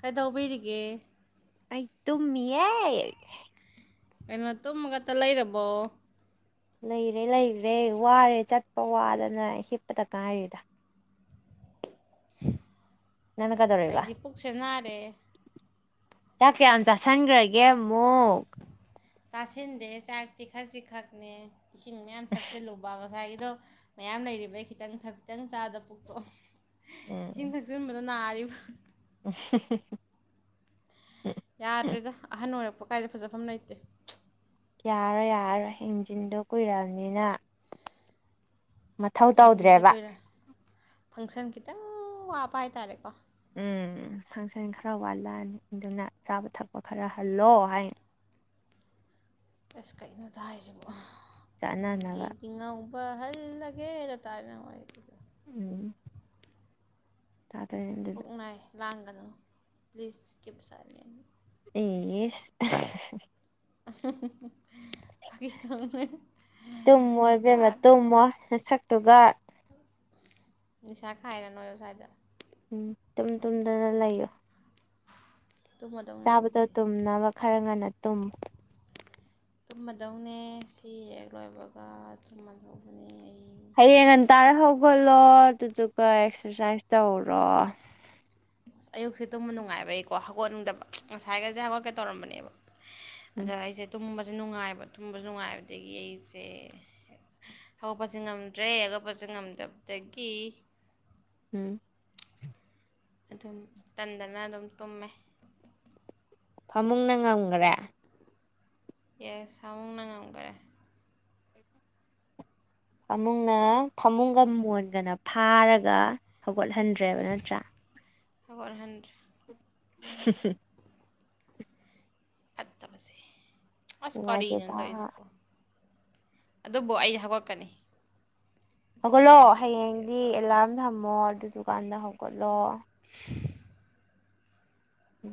ꯀꯩꯗꯧ ꯕꯤꯔꯤꯒꯦ ꯑꯩ ꯊꯃꯤ ꯀꯩꯅꯣ ꯇꯨꯝꯃꯒꯛꯇ ꯂꯩꯔꯕꯣ ꯂꯩꯔꯦ ꯂꯩꯈꯔꯦ ꯋꯥꯔꯦ ꯆꯠꯄ ꯋꯥꯗꯅ ꯍꯤꯞꯄꯗ ꯉꯥꯏꯔꯤꯗ ꯅꯪꯅ ꯀꯩꯗꯧꯔꯤꯕ ꯑꯩꯗꯤ ꯄꯨꯛꯁꯦ ꯅꯥꯔꯦ ꯆꯥꯛ ꯀꯌꯥꯝ ꯆꯥꯥꯁꯟꯒ꯭ꯔꯒꯦ ꯒꯦꯃꯣꯛ ꯆꯥꯁꯤꯟꯗꯦ ꯆꯥꯛꯇꯤ ꯈꯖꯤꯛ ꯈꯛꯅꯦ ꯏꯁꯤꯡ ꯃꯌꯥꯝ ꯊꯛꯆꯜꯂꯨꯕ ꯉꯁꯥꯏꯒꯤ ꯑꯗꯣ ꯃꯌꯥꯝ ꯂꯩꯔꯤꯕꯩ ꯈꯤꯇꯪ ꯈꯖꯤꯛꯇꯪ ꯆꯥꯗ ꯄꯨꯛꯇꯣ ꯊꯖ ꯃ ꯅꯥꯔꯤꯕ ꯑ ꯌꯥꯗ꯭ꯔꯔꯤꯗꯣ ꯑꯍꯟ ꯑꯣꯏꯔꯛꯄ ꯀꯥꯏꯗꯦ ꯐꯖꯐꯝ ꯂꯩꯇꯦ ꯌꯥꯔꯣꯏ ꯌꯥꯔꯔꯣꯏ ꯏꯟꯖꯤꯟꯗꯣ ꯀꯨꯏꯔꯛꯑꯕꯅꯤꯅ ꯃꯊꯧ ꯏꯟꯖꯤꯟꯁꯦ ꯇꯧꯗ꯭ꯔꯦꯕ ꯀꯨꯏꯔꯦ ꯐꯪꯁꯟ ꯈꯤꯇꯪ ꯋꯥꯕ ꯍꯥꯏꯇꯥꯔꯦꯀꯣ ꯎꯝ ꯐꯪꯁꯟ ꯈꯔ ꯋꯥꯠꯂꯛꯑꯅꯤ ꯑꯗꯨꯅ ꯆꯥꯕ ꯊꯛꯄ ꯈꯔ ꯍꯜꯂꯣ ꯍꯥꯏ ꯑꯁ ꯀꯩꯅꯣꯗ ꯍꯥꯏꯁꯤꯕ ꯆꯥꯟꯅꯅꯕ ꯍꯜꯂꯒꯦꯂ ꯇꯥꯔꯅ ꯎꯝ ꯇꯥꯗꯣꯏꯅꯦ ꯑꯗꯨꯗ ꯄꯨꯣꯛꯅ ꯂꯥꯡ ꯍꯂꯂꯣ ꯄ꯭ꯂꯤꯁ ꯀꯤꯞ ꯁꯥꯏꯂꯦꯟꯠ ꯑꯦ [unintelligible] ꯐꯥꯒꯤ ꯇꯧꯅꯦ ꯇꯨꯝꯃꯣ ꯋꯥ ꯏꯕꯦꯝꯃ ꯇꯨꯝꯃꯣ ꯁꯛꯇꯨꯒ ꯅꯤꯁꯥ ꯈꯥꯏꯔ ꯅꯣꯏ ꯁ꯭ꯋꯥꯏꯗ ꯎꯝ ꯇꯨꯝ ꯇꯨꯝꯗꯅ ꯂꯩꯌꯣ ꯇꯨꯝꯃꯗꯧꯅꯦ ꯆꯥꯕꯗꯣ ꯑꯗꯨꯕꯨꯗꯤ ꯇꯨꯝꯅꯕ ꯈꯔ ꯉꯟꯅ ꯇꯨꯝ ꯇꯨꯝꯃꯗꯧꯅꯦ ꯁꯤ ꯍꯦꯛ ꯂꯣꯏꯕꯒ ꯇꯨꯝꯃꯗꯧꯕꯅꯦ ꯑꯩ ꯍꯌꯦꯡ ꯉꯟꯇꯥꯥꯔ ꯍꯧꯒꯠꯂꯣ ꯑꯗꯨꯗꯨꯒ ꯑꯦꯛꯁꯔꯁꯥꯏꯁ ꯇꯧꯔꯣ ꯑꯁ ꯑꯌꯨꯛꯁꯦ ꯇꯨꯝꯕ ꯅꯨꯡꯉꯥꯏꯕꯩꯀꯣ ꯍꯧꯒꯠꯅꯤꯡꯗꯕ ꯉꯁꯥꯏꯒꯩꯁꯦ ꯍꯧꯒꯠꯀꯦ ꯇꯧꯔꯝꯕꯅꯦꯕ ꯎꯝ ꯑꯗ ꯑꯩꯁꯦ ꯑꯗꯨꯝ ꯁ ꯅꯨꯡꯉꯥꯏꯕ ꯊꯨꯝꯕꯁꯨ ꯅꯨꯡꯉꯥꯏꯕꯗꯒꯤ ꯑꯩꯁꯦ ꯍꯧꯒꯠꯄꯁꯦ ꯉꯝꯗ꯭ꯔꯦ ꯑꯒꯠꯄꯁꯦ ꯉꯝꯗꯕꯗꯒꯤ ꯎꯝ ꯑꯗꯨꯝ ꯇꯟꯗꯅ ꯑꯗꯨꯝ ꯇꯨꯝꯃꯦ ꯐꯃꯨꯡꯅ ꯉꯝꯈꯔꯦ ꯌꯦꯁ ꯁꯥꯃꯨꯅ ꯉꯝꯈꯔꯦ ꯐꯃꯨꯡꯅ ꯐꯃꯨꯡꯒ ꯃꯣꯟꯒꯅ ꯐꯥꯔꯒ ꯍꯧꯒꯠꯍꯟꯗ꯭ꯔꯦꯕ ꯅꯠꯇ꯭ꯔꯥ ꯑꯈꯍꯦꯟ [unintelligible] ꯑꯠꯇꯕꯁꯦ ꯑꯁ ꯅꯨꯡꯉꯥꯏꯇꯦꯗ ꯀꯅ ꯇꯏ ꯁꯤꯀꯣ ꯑꯗꯨꯕꯨ ꯑꯩ ꯍꯧꯒꯠꯀꯅꯤ ꯍꯧꯒꯠꯂꯣ ꯑꯩꯅ ꯍꯌꯦꯡꯗꯤ ꯁꯣꯏꯗꯅ ꯑꯦꯂꯥꯔꯝ ꯊꯝꯃꯣ ꯑꯗꯨꯗꯨ ꯗꯨꯀꯥꯟꯗ ꯍꯧꯒꯠꯂꯣ [unintelligible]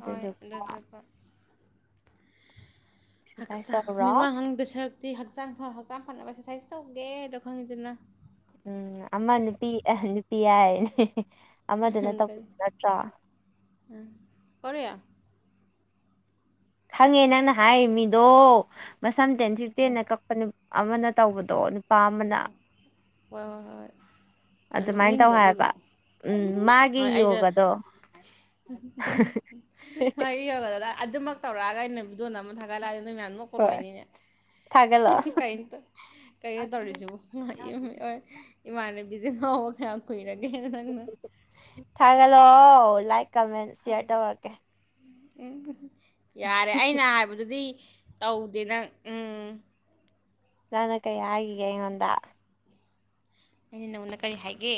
ꯍꯣꯏ ꯑꯗꯨꯖꯀ ꯑꯦꯛꯁꯔꯁꯥꯏꯁ ꯍꯛꯆꯥꯡ ꯃꯤ ꯇꯧꯔꯣ ꯋꯥ ꯉꯥꯡꯕ ꯁꯔꯨꯛꯇꯤ ꯍꯛꯆꯥꯡ ꯐ ꯍꯛꯆꯥꯡ ꯐꯅꯕ ꯁꯥꯏꯁ ꯇꯧꯒꯦꯗ ꯈꯪꯉꯗꯅ ꯎꯝ ꯑꯃ ꯅꯨꯄꯤ ꯅꯨꯄꯤ ꯌꯥꯏꯅꯤ ꯀꯔꯤ ꯀꯔ ꯈꯪꯉꯦ ꯅꯪꯅ ꯍꯥꯏꯔꯤꯕ ꯃꯤꯗꯣ ꯁꯝꯇꯦꯟ ꯍꯣꯏ ꯁꯤꯇꯦꯅ ꯀꯛꯄꯅꯦ ꯑꯃꯅ ꯇꯧꯕꯗꯣ ꯅꯨꯄꯥ ꯑꯃꯅ ꯍꯣꯏ ꯍꯣꯏ ꯍꯣꯏ ꯑꯗꯨꯃꯥꯏꯅ ꯇꯧ ꯅꯣꯛꯅꯤꯡꯗ꯭ꯔꯣ ꯑꯗꯨꯗꯣ ꯍꯥꯏꯕ ꯎꯝ ꯃꯥꯒꯤ ꯍꯣꯏ ꯑꯩꯁꯦ ꯌꯣꯒꯗꯣ ꯁ ꯌꯧꯒꯗꯅ ꯑꯗꯨꯃꯛ ꯇꯧꯔꯒꯥꯏꯅꯦꯕꯤꯗꯨꯣ ꯅ ꯑꯃ ꯊꯒ ꯂ ꯅꯣꯏ ꯃꯃ ꯀꯣꯂꯣꯏꯅꯤꯅꯦ ꯊꯥꯒꯠꯂꯛꯑꯣ ꯀ ꯇ ꯀꯩꯅ ꯇꯧꯔꯤꯁꯤꯕꯨ ꯏ ꯃꯥꯅꯦ ꯖꯦ ꯉ ꯈꯈꯣꯏꯔꯦ ꯊꯒ ꯂꯣ ꯑꯣ ꯂꯥꯏꯛ ꯀꯃꯦꯟ ꯁꯦꯔ ꯇꯧꯔꯛꯀꯦ ꯍ ꯌꯥꯔꯦ ꯑꯩꯅ ꯍꯥꯏꯕꯗꯨꯗꯤ ꯇꯧꯗꯦ ꯅꯪ ꯎꯝ ꯅꯅꯥ ꯀꯩ ꯍꯥꯏꯒꯤꯒꯦꯉꯣꯟꯗ ꯑꯩꯅ ꯅꯪꯣꯟꯅ ꯀꯔꯤ ꯍꯥꯏꯒꯦ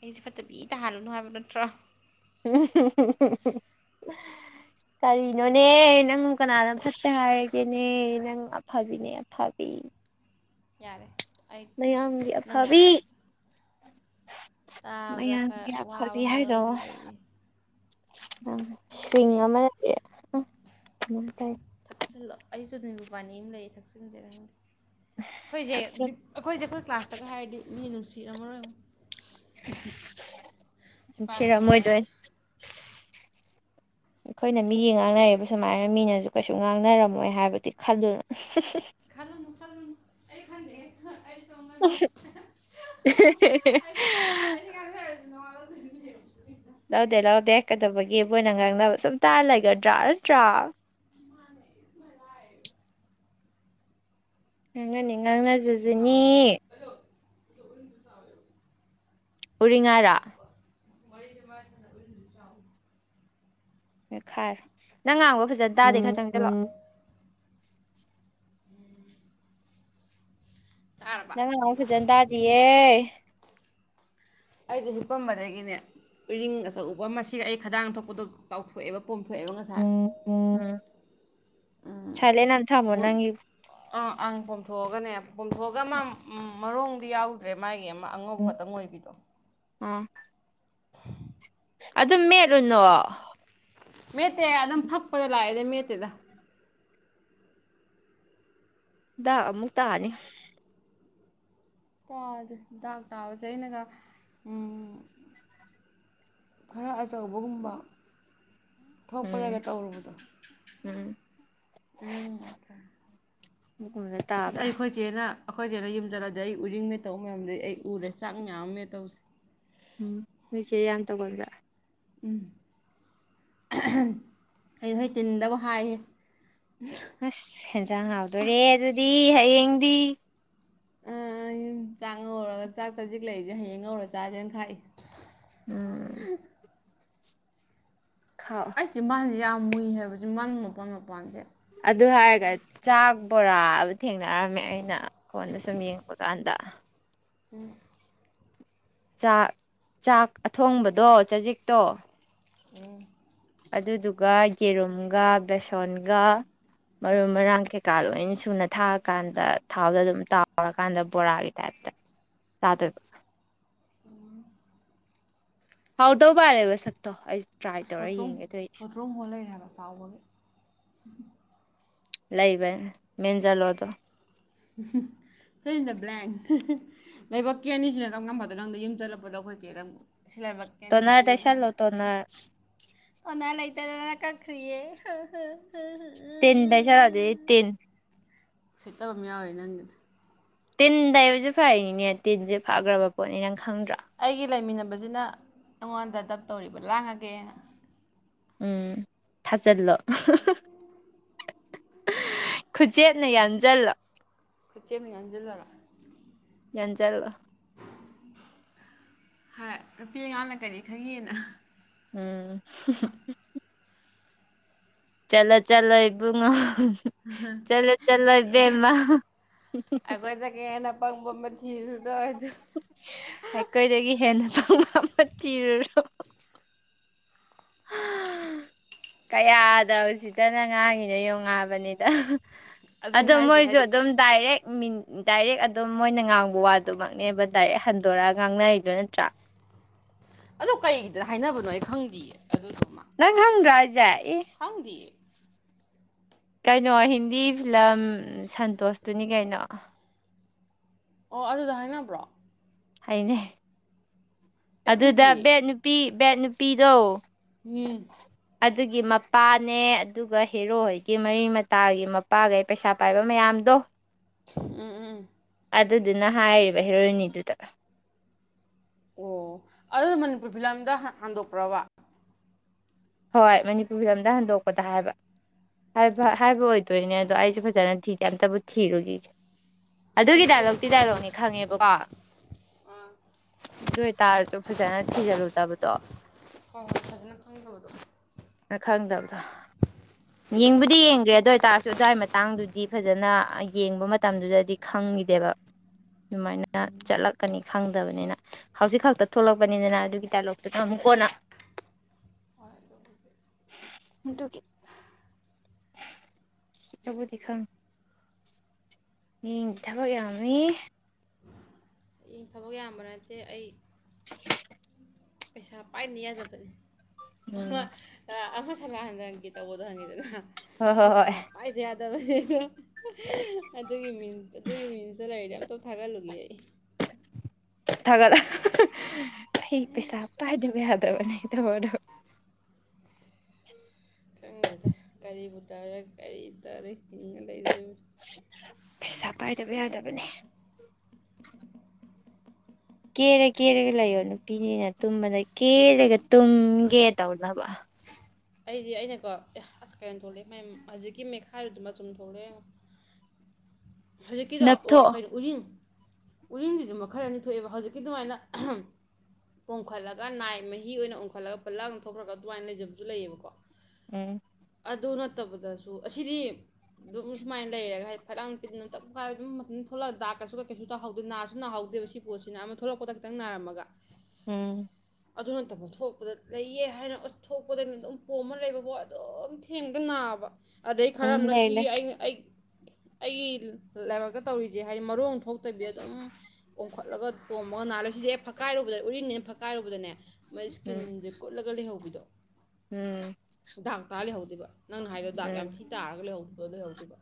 ꯑꯩꯁꯦ ꯐꯠꯇꯕꯤ ꯇꯥꯍꯜꯂꯨꯅꯨ ꯍꯥꯏꯕ ꯅꯠꯇ꯭ꯔꯣ ꯀꯔꯤꯅꯣꯅꯦ ꯅꯪ ꯀꯅꯥꯗꯣ ꯐꯠꯇꯦ ꯍꯥꯏꯔꯒꯦꯅꯦ ꯅꯪ ꯑꯐꯕꯤꯅꯦ ꯑꯐꯕꯤ ꯌꯥꯔꯦ ꯑꯩ ꯃꯌꯥꯝꯒꯤ ꯅꯪ ꯋꯥꯔꯤ ꯑꯐꯕꯤ ꯇꯥꯕꯗ ꯃꯌꯥꯝ ꯈꯔ ꯀ ꯋꯥꯕ ꯐꯂꯤ ꯍꯥꯏꯕ ꯍꯥꯏꯗꯣꯑꯣ ꯑꯃꯁꯨ ꯂꯩꯌꯦ ꯑ ꯁ꯭ꯋꯤꯡ ꯑꯦ ꯑꯃ ꯅꯦ ꯊꯛꯆꯤꯜꯂꯣ ꯑꯩꯁꯨ ꯑꯗꯨꯝꯕꯨꯕꯥꯅꯤ ꯑꯃ ꯂꯩꯌꯦ ꯊꯛꯆꯤꯟꯖꯔꯦ ꯍꯪꯗꯦ ꯑꯩꯈꯣꯏꯁꯦ ꯑꯩꯈꯣꯏꯁꯦ ꯑꯩꯈꯣꯏ ꯀ꯭ꯂꯥꯁꯇꯒ ꯍꯥꯏꯔꯗꯤ ꯃꯤ ꯅꯨꯡꯁꯤ ꯔ ꯑꯃꯔ ꯁꯤꯔꯃ ꯑꯣꯏꯣꯏꯗꯏ ꯑꯩꯈꯣꯏꯅ ꯃꯤꯒꯤ ꯉꯥꯡꯅꯔꯤꯕ ꯁꯨꯃꯥꯏꯅ ꯃꯤꯅꯁꯨ ꯀꯩꯁꯨ ꯉꯥꯡꯅꯔꯝꯃꯣꯏ ꯍꯥꯏꯕꯗꯤ ꯈꯜꯂꯨꯅ ꯑꯩꯈ ꯑꯩꯗꯤ ꯑꯩꯗꯤ ꯉꯥꯡꯖꯔꯁꯨ ꯅꯋꯥ [unintelligible] ꯂꯧꯗꯣꯏꯅꯦ ꯂꯧꯗꯦ ꯂꯧꯗꯦ ꯀꯩꯗꯧꯕꯒꯤ ꯃꯣꯏꯅ ꯉꯥꯡꯅꯕ ꯁꯨꯝ ꯇꯥꯔ ꯂꯩꯒꯗ꯭ꯔꯥ ꯅꯠꯇ꯭ꯔꯥ ꯉꯥꯡꯅꯅꯤ ꯉꯥꯡꯅꯖꯁꯤꯅꯤ ꯎꯔꯤꯉꯥꯔꯥ ꯃ ꯃꯥ ꯎ ꯈꯥꯏꯔ ꯅꯪ ꯉꯥꯡꯕ ꯐꯖꯅ ꯇꯥꯗꯦ ꯈꯖꯪ ꯆꯠꯂꯛꯑꯣ ꯇꯥꯔꯕ ꯅꯪ ꯑꯨ ꯐꯖꯅ ꯇꯥꯗꯤꯌꯦ ꯑꯩ ꯍꯄꯝꯕꯗꯒꯤꯅꯦ ꯎꯔꯤꯡ ꯑꯆ ꯎꯧꯕ ꯃꯁꯤ ꯑꯩ ꯈꯗꯥꯡ ꯊꯣꯛꯄꯗꯣ ꯆꯥꯎꯊꯣꯛꯑꯦꯕ ꯄꯣꯝꯊꯣꯛꯑꯦꯕ ꯉꯁꯥꯏ ꯎꯝ ꯆꯂꯦꯅ ꯊꯃꯣ ꯅꯪ ꯑꯥ ꯑꯪ ꯄꯣꯝꯊꯣꯛꯑꯒꯅꯦ ꯄꯣꯝꯊꯣꯛꯑꯒ ꯃꯥ ꯃꯔꯣꯡꯗꯤ ꯌꯥꯎꯗ꯭ꯔꯦ ꯃꯥꯒꯤ ꯑꯃ ꯑꯉꯧꯕ ꯈꯛꯇꯪ ꯑꯣꯏꯕꯤꯗꯣ ꯑꯥ [inaudible] ꯑꯗꯨꯝ ꯃꯦꯂꯨꯅꯣ ꯃꯦꯠꯇꯦ ꯑꯗꯨꯝ ꯊꯛꯄꯗ ꯂꯥꯛꯑꯦꯅꯦ ꯃꯦꯠꯇꯦꯗ ꯑꯃꯨꯛ ꯐꯛꯄ ꯇꯥꯅꯤ ꯗꯥꯛ ꯇꯥꯕꯁꯦ ꯑꯩꯅꯒ ꯈꯔ ꯑꯆꯧꯕꯒꯨꯝꯕ ꯊꯣꯛꯄꯔꯒ ꯎꯝ ꯇꯧꯔꯨꯕꯗꯣ ꯎꯝ ꯑꯗꯨ ꯑꯗꯨꯒꯨꯝꯕꯅ ꯑꯁ ꯇꯥꯕ꯭ꯔꯥ ꯑꯩꯈꯣꯏꯁꯦꯅ ꯑꯩꯈꯣꯏꯗ ꯑꯩꯅ ꯌꯨꯝꯖꯜꯂꯗꯤ ꯑꯩ ꯎꯔꯤꯡ ꯃꯦ ꯇꯧ ꯃꯌꯥꯝꯗ ꯑꯩ ꯎꯔꯦ ꯆꯥꯛ ꯃꯌꯥꯝꯃꯦꯦ ꯇꯧꯁꯦ ꯎꯝ ꯃꯤꯁꯦ ꯌꯥꯝ ꯇꯧꯒꯟꯕ꯭ꯔꯥ ꯎꯝ ꯑꯩ ꯅꯣꯏ ꯇꯤꯟꯗꯕ ꯍꯥꯏꯌꯦꯦ ꯑꯁ ꯍꯦꯟꯖꯥꯡ ꯍꯥꯎꯗꯣꯔꯦ ꯑꯗꯨꯗꯤ ꯍꯌꯦꯌꯦꯡꯗꯤ ꯑꯨꯝ ꯆꯥꯛ ꯉꯧꯔꯒ ꯆꯥꯛ ꯆꯥꯖꯤꯛ ꯂꯩꯁꯦ ꯍꯌꯦꯡ ꯉꯧꯔꯒ ꯆꯥꯥꯁꯦꯅ ꯈꯥꯏ ꯎꯝ ꯈꯥꯎ ꯑꯩꯁꯤ ꯃꯥꯦ ꯌꯥꯝ ꯃꯨꯏ ꯍꯥꯏꯕꯕꯁꯤꯦ ꯃꯔ ꯃꯄꯥꯟ ꯃꯄꯥꯟꯁꯦ ꯑꯗꯨ ꯍꯥꯏꯔꯒ ꯆꯥꯛ ꯄꯨꯣꯔꯥ ꯊꯦꯡꯅꯔꯝꯃꯦ ꯑꯩꯅ ꯐꯣꯟꯗ ꯁꯨꯝ ꯌꯦꯡꯉꯛꯕ ꯀꯥꯟꯗ ꯎꯝ ꯆꯥꯛ ꯆꯥꯛ ꯑꯊꯣꯡꯕꯗꯣ ꯆꯖꯤꯛꯇꯣ ꯎꯝ ꯑꯗꯨꯗꯨꯒ ꯌꯦꯔꯨꯝꯒ ꯕꯦꯁꯣꯟꯒ ꯃꯔꯨ ꯃꯔꯥꯡ ꯀꯩꯀꯥ ꯂꯣꯏ ꯁꯨꯅ ꯊꯥꯔꯀꯥꯟꯗ ꯊꯥꯎꯗꯣ ꯑꯗꯨꯝ ꯇꯥꯎꯔꯀꯥꯟꯗ ꯕꯣꯔꯥꯒꯤ ꯇꯥꯏꯞꯇ ꯆꯥꯗꯣꯏꯕ ꯎꯝ ꯍꯥꯎꯗꯧ ꯄꯔꯦꯕ ꯁꯛꯛꯇ ꯑꯁ ꯍꯣꯇ꯭ꯔꯨꯝ ꯍꯣꯇ꯭ꯔꯨꯝ ꯍꯣꯜ ꯂꯩꯔꯦꯕ ꯆꯥꯎꯕꯒꯤ ꯂꯩ ꯂꯩꯕ ꯃꯦꯟꯖꯂꯣꯗꯣ ꯀꯩꯁꯤꯗ ꯕ꯭ꯂꯦꯡ ꯂꯕꯛ ꯀꯦꯅꯤꯁꯤꯅ ꯀꯝꯅꯝ ꯐꯗꯣ ꯅꯪꯗ ꯌꯨꯝ ꯆꯠꯂꯛꯄꯗꯣ ꯑꯩꯈꯣꯏ ꯆꯦꯗꯪ ꯇꯣꯅꯔꯗꯩꯁꯜꯂꯣ ꯇꯣꯅ ꯑꯣꯅ ꯂꯩꯇꯅ ꯀꯈꯔꯤꯌꯦ ꯇꯦꯟꯗ ꯆꯔꯗꯦ ꯇꯦꯟ ꯐꯦꯠꯇꯕ ꯑꯃ ꯌꯥꯎꯋꯦ ꯅꯪꯒꯤꯗꯤ ꯇꯤꯟꯗ ꯑꯩꯕꯁꯨꯦ ꯐꯩꯅꯤꯅꯦ ꯇꯤꯟꯁꯦ ꯐꯈ꯭ꯔꯕ ꯄꯣꯠꯅꯤ ꯅꯪ ꯈꯪꯗ꯭ꯔꯣ ꯑꯩꯒꯤ ꯂꯩꯃꯤꯅ ꯕꯁꯤꯅ ꯑꯩꯉꯣꯟꯗ ꯗꯞ ꯇꯧꯔꯤꯕ ꯂꯥꯡꯉꯒꯦ ꯎꯝ ꯊꯥꯖꯜꯂꯣ ꯈꯨꯖꯦꯠꯅ ꯌꯥꯟꯁꯤꯜꯂ ꯀꯣꯏꯆꯃꯤ ꯉꯟꯖꯜꯔ ꯌꯦꯟꯖꯜꯒ ꯍꯥꯏ ꯅꯨꯄꯤꯉꯥꯡꯅ ꯀꯔꯤ ꯈꯪꯉꯤꯅ ꯎꯝ ꯆꯂꯣ ꯆꯂꯣ ꯏꯕꯨꯡꯉ ꯆꯠꯂ ꯆꯠꯂꯣ ꯏꯕꯦꯝꯃ ꯑꯩꯈꯣꯏꯗꯒꯤ ꯍꯦꯟꯅ ꯄꯪꯕ ꯑꯃ ꯊꯤꯔꯨꯗꯣ ꯑꯗꯨ ꯑꯩꯈꯣꯏꯗꯒꯤ ꯍꯦꯟꯅ ꯝꯕ ꯆꯤꯔ ꯀꯌꯥꯗ ꯍꯧꯖꯤꯗꯅ ꯉꯥꯡꯉꯤꯅ ꯌꯣꯡꯉꯛꯑꯕꯅꯤꯗ ꯑꯗꯨꯅꯦ ꯑꯗꯣ ꯍꯥꯏꯁꯦ ꯃꯣꯏꯁꯨ ꯍꯥꯏꯗꯤ ꯑꯗꯨꯝ ꯗꯥꯏꯔꯦꯛ ꯗꯥꯏꯔꯦꯛ ꯑꯗꯨꯝ ꯃꯣꯏꯅ ꯉꯥꯡꯕ ꯋꯥꯗꯨꯃꯛꯅꯦ ꯗꯥꯏꯔꯦꯛ ꯍꯟꯗꯣꯔꯒ ꯉꯥꯡꯅꯔꯤꯗꯨꯣ ꯅꯠꯇ꯭ꯔꯥ ꯑ ꯀꯩꯒꯤꯗ ꯍꯥꯏꯅꯕꯅꯣ ꯑꯩ ꯈꯪꯗꯌꯦ ꯅꯪ ꯍꯪ ꯔꯥꯏ ꯌꯥꯏ ꯍꯪꯗꯤ ꯀꯩꯅꯣ ꯍꯤꯟꯗꯤ ꯐꯤꯂꯝ ꯁꯟꯇꯣꯁꯇꯨꯅꯤ ꯀꯩꯅꯣ ꯑꯣ ꯑꯗꯨꯗ ꯍꯥꯏꯅꯕ꯭ꯔꯣ ꯍꯥꯏꯅꯦ ꯑꯩ ꯑꯗꯨꯗ ꯈꯪꯗꯤꯌꯦ ꯕꯠ ꯅꯨꯄꯤ ꯕꯠ ꯅꯨꯄꯤꯔꯣ ꯃꯤ ꯑꯗꯨꯒꯤ ꯃꯄꯥꯅꯦ ꯑꯗꯨꯒ ꯍꯦꯔꯣ ꯍꯣꯏꯒꯤ ꯃꯔꯤ ꯃꯇꯥꯒꯤ ꯃꯄꯥꯈꯩ ꯄꯩꯁꯥ ꯄꯥꯏꯕ ꯃꯌꯥꯝꯗꯣ ꯎꯝ ꯎꯝ ꯑꯗꯨꯗꯨꯅ ꯍꯥꯏꯔꯤꯕ ꯍꯦꯔꯣꯏꯅꯤꯗꯨꯗ ꯑꯣ ꯑꯗꯨ ꯃꯅꯤꯄꯨꯔ ꯐꯤꯂꯝꯗ ꯍꯟꯗꯣꯛꯄ꯭ꯔꯕ ꯍꯣꯏ ꯃꯅꯤꯄꯨꯔ ꯐꯤꯂꯝꯗ ꯍꯟꯗꯣꯛꯄꯗ ꯍꯥꯏꯕ ꯍꯥꯏꯕ ꯍꯥꯏꯕ ꯑꯣꯏꯗꯣꯏꯅꯦ ꯑꯗꯣ ꯑꯩꯁꯨꯦ ꯐꯖꯅ ꯊꯤꯗꯦ ꯑꯝꯇꯕꯨ ꯊꯤꯔꯨꯈꯤꯒꯦ ꯎꯝ ꯑꯗꯨꯒꯤ ꯑꯩꯗꯤ ꯗꯥꯏꯂꯣꯛꯇꯤ ꯈꯪꯗꯤꯌꯦ ꯗꯥꯏꯂꯣꯛꯅꯤ ꯈꯪꯉꯦꯕꯀꯣ ꯑꯥ ꯑꯗꯨ ꯑꯣꯏꯇꯥꯔꯁꯨ ꯐꯖꯅ ꯊꯤꯖꯤꯜꯂꯨꯗꯕꯗꯣ ꯍꯣꯏ ꯍꯣꯏ ꯐꯖꯅ ꯈꯪꯗꯕꯗꯣ ꯑ ꯈꯗꯕ ꯌꯦꯡꯕꯨꯗꯤ ꯌꯦꯡꯗ꯭ꯔꯦ ꯑꯗꯨ ꯑꯣꯏꯇꯥꯔꯁꯨ ꯑꯗꯨꯋꯥꯏ ꯃꯇꯥꯡꯗꯨꯗꯤ ꯐꯖꯅ ꯌꯦꯡꯕ ꯃꯇꯝꯗꯨꯗꯗꯤ ꯈꯪꯈꯤꯗꯦꯕ ꯑꯗꯨꯃꯥꯏꯅ ꯆꯠꯂꯛꯀꯅꯤ ꯐꯪꯗꯕꯅꯤꯅ ꯍꯧꯖꯤꯛ ꯈꯛꯇ ꯊꯣꯛꯂꯛꯄꯅꯤꯗꯅ ꯑꯗꯨꯒꯤ ꯗꯥꯏꯂꯣꯛꯇꯨꯗ ꯑꯃꯨꯛ ꯀꯣꯟꯅ ꯑꯗꯨꯗꯨꯒꯤ ꯆꯕꯨ ꯇꯈꯥ ꯃꯤ ꯊꯕꯛ ꯌꯥꯝꯃꯤ ꯊꯕꯛ ꯌꯥꯝꯕ ꯅꯠꯇꯦ ꯑꯩ [unintelligible] ꯄꯩꯁꯥ ꯄꯥꯏꯅꯤꯖꯕꯅꯤ ꯑꯃ ꯎꯝ ꯑꯃ ꯁꯥ ꯂꯥꯛꯍꯟꯗꯒꯤ ꯇꯧꯕꯗꯣ ꯍꯪꯉꯗꯅ ꯍꯣꯏ ꯍꯣꯏ ꯑꯩ ꯍꯣꯏ ꯄꯁꯥꯄꯖ ꯌꯥꯗꯕꯅꯦ ꯦ ꯑꯗꯨꯒꯤ ꯃꯤꯡ ꯑꯗꯨꯒꯤ ꯃꯤꯡꯗꯨꯗ ꯂꯥꯏꯔꯤꯗ ꯑꯝꯇꯞ ꯊꯥꯒꯠꯂꯨꯒꯦ ꯑꯩ ꯊꯒꯠꯂ ꯑꯩ ꯄꯩꯁꯥ ꯄꯥꯏꯗꯕ ꯌꯥꯗꯕꯅꯦ ꯊꯕꯣꯗꯣ ꯪꯗꯗ ꯀꯔꯤꯕꯨ ꯇꯧꯔꯦ ꯀꯔꯤ ꯇꯧꯔꯦ ꯍꯤꯡꯉ ꯂꯩꯗꯅ ꯄꯩꯁꯥ ꯄꯥꯏꯗꯕ ꯌꯥꯗꯕꯅꯦ ꯀꯦꯔ ꯀꯦꯔꯒ ꯂꯩꯌꯣ ꯅꯨꯄꯤꯅꯤꯅ ꯇꯨꯝꯕꯗ ꯀꯦꯔꯒ ꯇꯨꯝꯒꯦ ꯇꯧꯅꯕ ꯑꯩꯗꯤ ꯑꯩꯅꯀꯣ ꯑꯦ ꯑꯁ ꯀꯩꯅꯣ ꯊꯣꯛꯂꯛꯑꯦ ꯃ ꯍꯧꯖꯤꯛꯀꯤ ꯃꯦꯠꯈꯥꯏꯔꯗꯨ ꯃꯆꯨꯝ ꯊꯣꯛꯂꯛꯑꯦ ꯌꯦꯡꯉꯣ ꯍꯧꯖꯤꯛꯀꯤꯗꯣ ꯑꯣ ꯅꯞꯊꯣꯛꯑꯣ ꯀꯩꯅꯣ ꯎꯔꯤꯡ ꯎꯔꯤꯡꯁꯤꯁꯨ ꯃꯈꯜ ꯑꯅꯤ ꯊꯣꯛꯑꯦꯕ ꯍꯧꯖꯤꯛꯀꯤ ꯑꯗꯨꯃꯥꯏꯅ ꯄꯣꯝꯈꯠꯂꯒ ꯅꯥꯏ ꯃꯍꯤ ꯑꯣꯏꯅ ꯑꯣꯡꯈꯠꯂꯒ ꯄꯜꯂꯥꯡꯅ ꯊꯣꯛꯈ꯭ꯔꯒ ꯑꯗꯨꯃꯥꯏꯅ ꯂꯩꯖꯕ ꯑꯗꯨꯨ ꯂꯩꯌꯦꯕꯀꯣ ꯎꯝ ꯑꯗꯨ ꯅꯠꯇꯕꯗꯁꯨ ꯑꯁꯤꯗꯤ ꯑꯗꯨꯝ ꯁꯨꯃꯥꯏꯅ ꯂꯩꯔꯒ ꯍꯥꯏꯗꯤ ꯐꯂꯥꯡ ꯅꯨꯄꯤꯗꯇꯞ ꯀꯥꯏꯕꯝ ꯑꯗꯨꯝ ꯊꯣꯛꯂꯛꯑ ꯗꯥꯛ ꯀꯩꯁꯨ ꯀꯩ ꯀꯩꯁꯨ ꯇꯥꯍꯧꯗꯦ ꯅꯥꯁꯨ ꯅꯥꯍꯧꯗꯦ ꯁꯤ ꯄꯣꯠꯁꯤꯅ ꯑꯃ ꯊꯣꯛꯂꯛꯄꯗ ꯇꯪ ꯅꯥꯔꯝꯃꯒ ꯎꯝ ꯑꯗꯨ ꯅꯠꯇꯕ ꯊꯣꯛꯄꯗ ꯂꯩꯌꯦ ꯍꯥꯏꯅ ꯑ ꯊꯣꯛ ꯩꯅ ꯑꯗꯨꯝ ꯄꯣꯝꯃ ꯂꯩꯕꯣ ꯑꯗꯨꯝ ꯊꯦꯡꯒ ꯅꯥꯕ ꯑꯗꯩ ꯎꯝ ꯈꯔꯅ ꯂꯩ ꯊꯤꯈꯤ ꯂꯩ ꯑꯩ ꯑꯩ ꯑꯩ ꯂꯥꯏꯕꯛꯇ ꯇꯧꯔꯤꯁꯦ ꯍꯥꯏꯗꯤ ꯃꯔꯣꯡ ꯍꯧꯇꯕꯤꯗ ꯑꯗꯨꯝ ꯑꯣꯝꯈꯠꯂꯒꯣ ꯃꯨꯣ ꯅꯅꯥꯜꯂꯨ ꯁꯤꯁꯦ ꯐꯛꯀꯥꯏꯔꯨꯕꯗ ꯎꯔꯤꯅꯤꯅ ꯐꯛꯀꯥꯏꯔꯨꯕꯗꯅꯦ ꯃꯥꯏ ꯎꯝ ꯏꯁꯀꯤꯟꯁꯦ ꯀꯣꯠꯂꯒ ꯂꯩꯍꯧꯕꯤꯗꯣ ꯎꯝ ꯗꯥꯛ ꯇꯥ ꯂꯩꯍꯧꯗꯦꯕ ꯅꯪꯅ ꯍꯥꯏꯗꯣ ꯗꯥꯛ ꯎꯝ ꯌꯥꯝ ꯊꯤ ꯇꯥꯔꯒꯍꯧꯗꯍ ꯑꯗꯨꯒ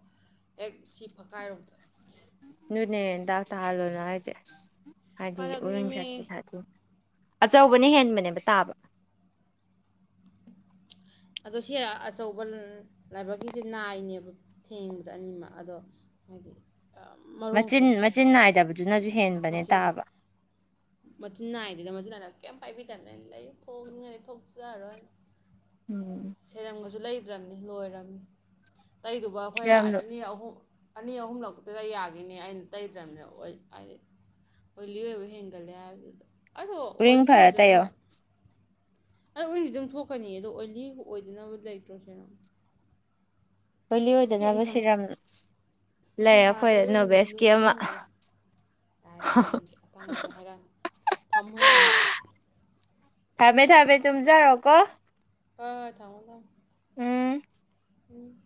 ꯑꯦꯛ ꯁꯤ ꯐꯀꯥꯏꯔꯣꯝꯗ ꯅꯅꯦꯟ ꯇꯥ ꯇ ꯍꯥꯜꯣꯅ ꯍꯥꯏꯥꯏꯗꯦ ꯍꯗꯤ ꯎꯔꯟ ꯐꯔꯛꯅꯦꯃꯦ ꯁꯥꯇ ꯁꯥꯇ ꯑꯆꯧꯕꯅ ꯍꯦꯟꯕꯅꯦꯕ ꯇꯥꯕ ꯑꯗꯣ ꯁꯤ ꯑꯆꯧꯕ ꯂꯥꯏꯕꯛꯀꯤꯁꯦ ꯅꯥꯏꯅꯦꯕ ꯊꯦꯡꯕꯗ ꯑꯅꯤꯃꯛ ꯑꯗꯣ ꯍꯥꯏꯗꯤ ꯃꯔꯣꯡ ꯃꯆꯤꯟ ꯊꯣꯛꯇꯦ ꯃꯆꯤꯟ ꯍꯥꯏꯕ ꯅꯥꯏꯗꯕꯗꯨꯅꯁꯨ ꯍꯦꯟꯅ ꯃꯆꯤꯟ ꯃꯆꯤꯟ ꯅꯥꯏꯗꯗ ꯃꯗꯨꯅꯥꯗ ꯀꯩꯝ ꯄꯥꯏꯕꯤꯗꯅꯦ ꯂꯩ ꯊꯣꯛꯅꯤꯡꯉꯥꯏꯗꯤ ꯊꯣꯛꯆꯔꯔꯣꯏ ꯎꯝ ꯁꯦꯔꯪꯒꯁꯨ ꯂꯩ ꯈ꯭ꯔꯝꯅꯤ ꯂꯣꯏꯔꯕꯔꯕꯅꯤ ꯇꯩꯗꯨꯕ ꯑꯩꯈꯣꯏ ꯁꯤꯔꯝꯗꯣ ꯑꯅꯤ ꯑꯍꯨꯝ ꯑꯅꯤ ꯑꯍꯨꯝꯂꯛꯇꯨꯗ ꯌꯥꯈꯤꯅꯤ ꯑꯩꯅ ꯇꯩꯇ꯭ꯔꯕꯅꯦꯗꯤ ꯑꯣꯏꯂꯤꯑꯣꯕ ꯍꯦꯒꯜ ꯌꯥꯗ ꯑꯗꯣ ꯎꯔꯤꯡ ꯑꯣꯏꯂꯤ ꯐꯔ ꯇꯩꯌꯣ ꯑꯣꯏꯗꯅꯕ ꯑꯗ ꯑꯣꯏꯗꯤ ꯑꯗꯨꯝ ꯊꯣꯛꯀꯅꯤ ꯑꯗꯣ ꯑꯣꯏꯂꯤ ꯑꯣꯏꯗꯅꯕ ꯂꯩꯇ꯭ꯔꯣ ꯁꯤꯅ ꯒꯨꯂꯤ ꯑꯣꯏꯗꯅꯕ ꯁꯤꯊꯝ ꯁꯤꯔꯝ ꯂꯩꯔ ꯏꯪꯊꯝꯊꯥ ꯑꯩꯈꯣꯏ ꯇꯩꯕꯗ ꯅꯣꯚꯦꯁꯀꯤ ꯅꯨꯡꯗꯤ ꯑꯃ ꯅꯨꯡꯉꯥꯏ ꯌꯥꯔꯦ ꯅꯍꯪꯒꯤ ꯑꯇꯥꯡꯕꯗꯣ ꯍꯥꯏꯔꯛꯑ ꯊꯝꯃꯨ ꯌꯥꯔꯦꯅ ꯊꯝꯃꯦ ꯊꯝꯃꯦ ꯇꯨꯝꯖꯔꯣ ꯀꯣ ꯑ ꯊꯥꯃ ꯊ ꯎꯝ